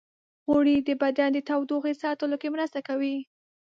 غوړې د بدن د تودوخې ساتلو کې مرسته کوي.